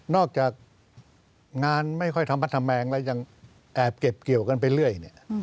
จากงานไม่ค่อยทำพัฒนาแมงแล้วยังแอบเก็บเกี่ยวกันไปเรื่อย